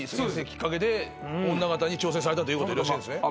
きっかけで女形に挑戦されたということでよろしいですね？